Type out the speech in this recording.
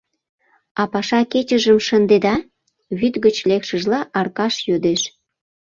— А паша кечыжым шындеда? — вӱд гыч лекшыжла, Аркаш йодеш.